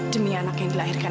demi anak yang dilahirkan